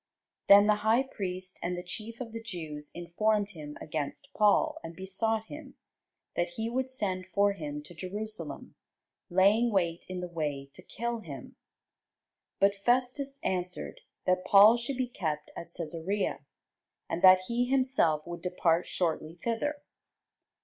Then the high priest and the chief of the Jews informed him against Paul, and besought him, that he would send for him to Jerusalem, laying wait in the way to kill him. But Festus answered, that Paul should be kept at Cæsarea, and that he himself would depart shortly thither.